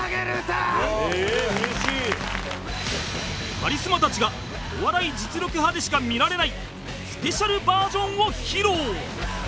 カリスマたちが『お笑い実力刃』でしか見られないスペシャルバージョンを披露